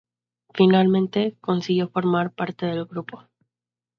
Finalmente, consiguió formar parte del grupo...